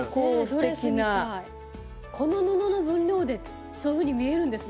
この布の分量でそういうふうに見えるんですね。